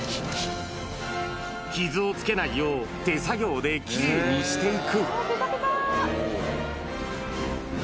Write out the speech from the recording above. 傷をつけないよう、手作業できれいにしていく。